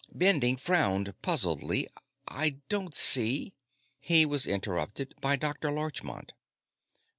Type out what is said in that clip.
Bending frowned puzzledly. "I don't see " He was interrupted by Dr. Larchmont.